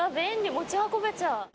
持ち運べちゃう。